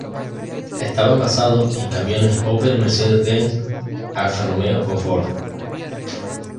Estaban basados en camiones Opel, Mercedes-Benz, Alfa-Romeo o Ford.